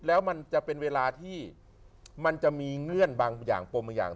แล้วมันจะเป็นเวลาที่มันจะมีเงื่อนบางอย่างปมบางอย่าง